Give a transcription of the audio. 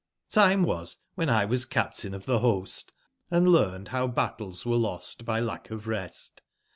tTime was when t was Captain of the nost,& learned bow battles were lost by lack of rest.